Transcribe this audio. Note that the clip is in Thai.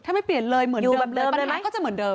ถ้าไม่เปลี่ยนเลยเหมือนเดิมเลยปัญหาก็จะเหมือนเดิม